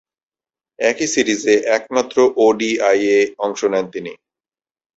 একই সিরিজে একমাত্র ওডিআইয়ে অংশ নেন তিনি।